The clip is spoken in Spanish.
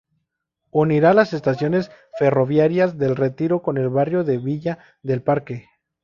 Unirá las estaciones ferroviarias de Retiro con el barrio de Villa del Parque.